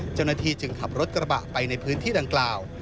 เจ้าหน้าที่จึงขับรถกระบะไปในพื้นที่ดังกล่าว